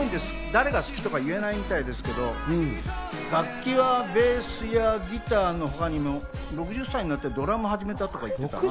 誰が好きとか言えないみたいですけど、楽器はベースやギターの他にも、６０歳になってドラムを始めたって言ってたな。